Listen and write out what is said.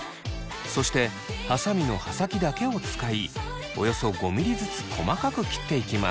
そしてはさみの刃先だけを使いおよそ５ミリずつ細かく切っていきます。